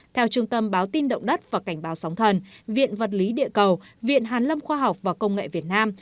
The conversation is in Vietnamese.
theo trung tâm báo tin động đất và cảnh báo sóng thần viện vật lý địa cầu viện hàn lâm khoa học và công nghệ việt nam